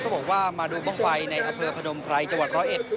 บอกว่ามาดูบ้างไฟในอำเภอพนมไพรจังหวัดร้อยเอ็ด